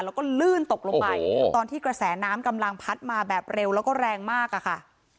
แล้วก็ลื่นตกลงไปตอนที่กระแสน้ำกำลังพัดมาแบบเร็วแล้วก็แรงมากอะค่ะ